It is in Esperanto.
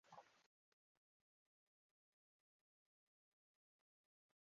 Komence li faris mallongajn filmojn.